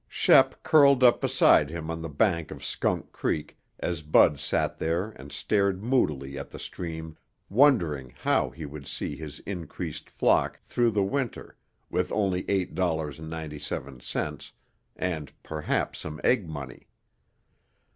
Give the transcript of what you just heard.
Shep curled up beside him on the bank of Skunk Creek as Bud sat there and stared moodily at the stream wondering how he would see his increased flock through the winter with only $8.97 and perhaps some egg money.